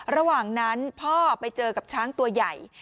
ระหว่างนั้นพ่อไปเจอกับช้างตัวใหญ่